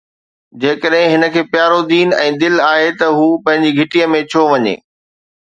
جيڪڏهن هن کي پيارو دين ۽ دل آهي ته هو پنهنجي گهٽيءَ ۾ ڇو وڃي؟